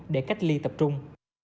để cách ly tập trung